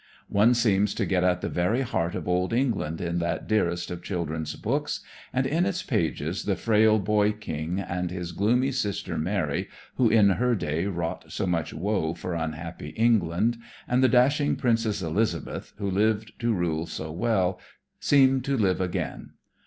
One seems to get at the very heart of old England in that dearest of children's books, and in its pages the frail boy king, and his gloomy sister Mary who in her day wrought so much woe for unhappy England, and the dashing Princess Elizabeth who lived to rule so well, seem to live again.